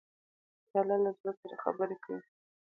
پیاله له زړه سره خبرې کوي.